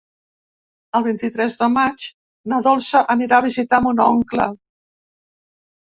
El vint-i-tres de maig na Dolça anirà a visitar mon oncle.